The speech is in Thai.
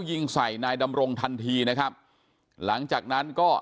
ยิงใส่นายดำรงทันทีนะครับหลังจากนั้นก็